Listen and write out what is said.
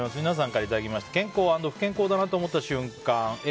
皆さんからいただいた健康＆不健康だなと思った瞬間。